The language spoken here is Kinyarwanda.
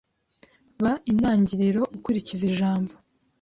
Ba intangiriro ukurikiza ijambo